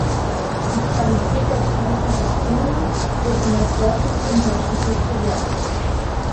Die Qualität der Zeichen als Runen wird in der Forschung unterschiedlich bewertet.